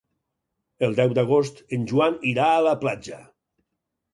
El deu d'agost en Joan irà a la platja.